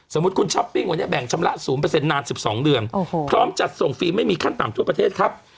สมมุติคุณช้อปปิ้งวันนี้แบ่งชำระ๐นาน๑๒เดือนพร้อมจัดส่งฟรีไม่มีขั้นต่ำทั่วประเทศครับ